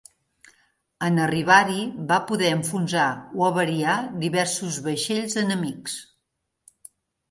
En arribar-hi va poder enfonsar o avariar diversos vaixells enemics.